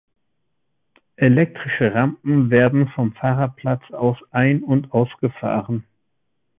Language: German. Elektrische Rampen werden vom Fahrerplatz aus ein- und ausgefahren.